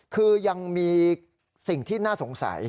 คือยังมีสิ่งที่น่าสงสัย